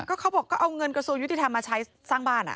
เขาบอกก็เอาเงินกระทรวงยุติธรรมมาใช้สร้างบ้าน